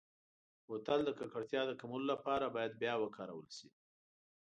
بوتل د ککړتیا د کمولو لپاره باید بیا وکارول شي.